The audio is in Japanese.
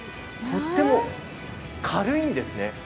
とっても軽いんです。